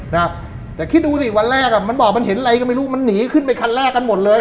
นะแต่คิดดูสิวันแรกอ่ะมันบอกมันเห็นอะไรก็ไม่รู้มันหนีขึ้นไปคันแรกกันหมดเลย